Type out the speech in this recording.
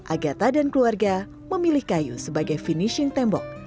agatha dan keluarga memilih kayu sebagai finishing tembok